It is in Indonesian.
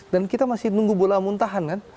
dan kita masih menunggu bola muntahan kan